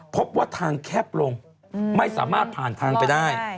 พบว่าทางแคบลงไม่สามารถผ่านทางไปได้